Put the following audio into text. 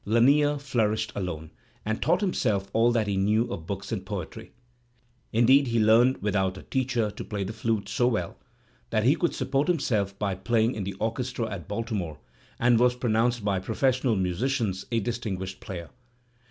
Lanier flourished alone^ and taught himself all that he knew of books and poetty. Indeed he learned without a teacher to play the flute so well that he could support him self by playing in the orchestra at Baltimore, and was pro nounced by professional musicians a distinguished player.